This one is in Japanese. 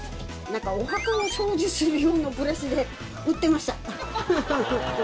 何かお墓の掃除する用のブラシで売ってました。